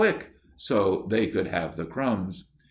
Quick!" so they could have the crumbs.